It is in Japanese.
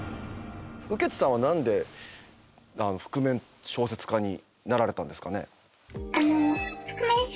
雨穴さんは何で覆面小説家になられたんですかね。